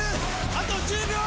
あと１０秒！